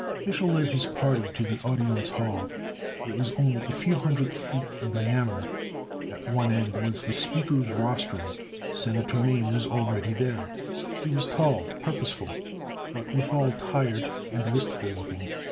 Mich'l led his party to the audience hall. It was only a few hundred feet in diameter. At one end was the speaker's rostrum. Senator Mane was already there. He was tall, purposeful, but withal tired and wistful looking.